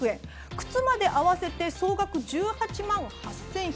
靴まで合わせて総額１８万８１００円。